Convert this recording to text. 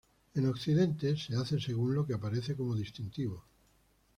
En Occidente se hace según lo que aparece como distintivo.